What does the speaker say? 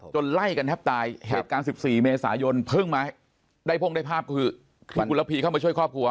ไล่กันแทบตายเหตุการณ์๑๔เมษายนเพิ่งมาได้พ่งได้ภาพคือคุณระพีเข้ามาช่วยครอบครัว